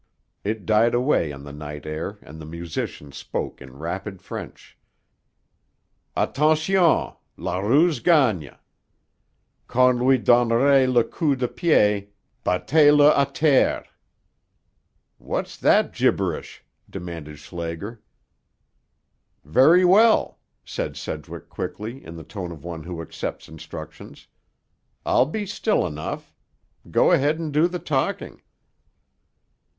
It died away on the night air and the musician spoke in rapid French. "Attention! La ruse gagne. Quand lui donnerai le coup de pied, battez le á terre." "What's that gibberish?" demanded Schlager. "Very well," said Sedgwick quickly, in the tone of one who accepts instructions. "I'll be still enough. Go ahead and do the talking."